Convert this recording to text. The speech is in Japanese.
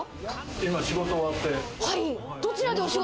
今、仕事終わって。